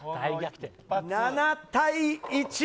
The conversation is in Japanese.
７対１。